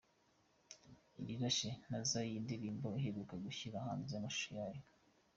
Irirashe nezaa’ niyo ndirimbo aheruka gushyira hanze amashusho yayo.